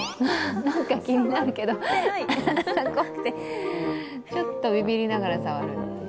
なんか気になるけどちょっとビビりながら触る。